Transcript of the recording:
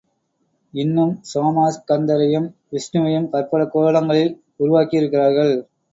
இன்னும் சோமாஸ்கந்தரையும் விஷ்ணுவையும் பற்பல கோலங்களில் உருவாக்கியிருக்கிறார்கள்.